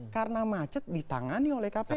karena macet ditangani oleh kpk